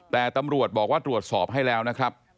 แต่ตำรวจบอกว่าตรวจสอบให้แล้วนะครับ